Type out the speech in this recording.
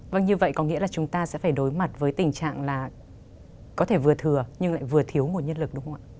vâng như vậy có nghĩa là chúng ta sẽ phải đối mặt với tình trạng là có thể vừa thừa nhưng lại vừa thiếu nguồn nhân lực đúng không ạ